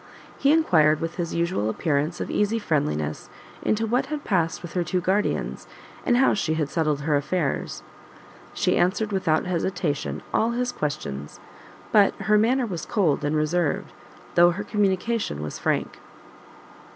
He enquired, with his usual appearance of easy friendliness, into what had passed with her two guardians, and how she had settled her affairs. She answered without hesitation all his questions, but her manner was cold and reserved, though her communication was frank.